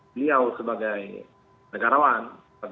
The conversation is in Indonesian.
beliau sebagai negarawan